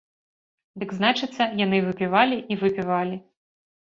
Дык, значыцца, яны выпівалі і выпівалі.